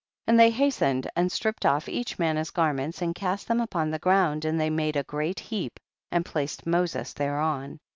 35. And they hastened and stripped off each man his garments and cast them upon the ground, and they made a great heap and placed Moses thereon.